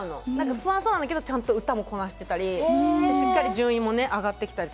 不安そうなんだけどちゃんと歌もこなしてたりしっかり順位もね上がってきたりとかしてて。